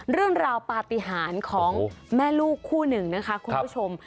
เรื่องราวปฏิหารของแม่ลูกคู่หนึ่งนะคะคุณผู้ชม